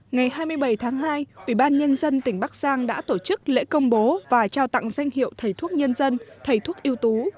ngày hai mươi bảy tháng hai ủy ban nhân dân tỉnh bắc giang đã tổ chức lễ công bố và trao tặng danh hiệu thầy thuốc nhân dân thầy thuốc yêu tú